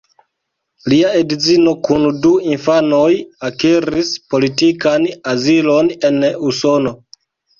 Lia edzino kun du infanoj akiris politikan azilon en Usono.